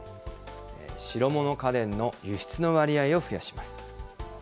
白物家電の輸出の割合を増やします。